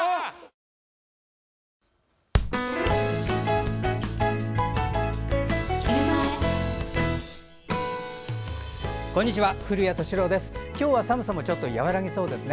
今日は寒さもちょっと和らぎそうですね。